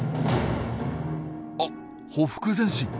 あっ「ほふく前進」。